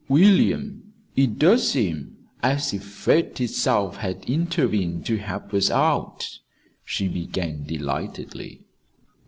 "William, it does seem as if Fate itself had intervened to help us out," she began delightedly.